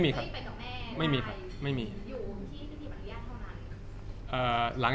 จากความไม่เข้าจันทร์ของผู้ใหญ่ของพ่อกับแม่